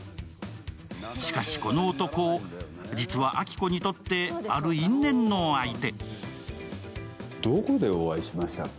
しかし、この男、実は亜希子にとってある因縁の相手。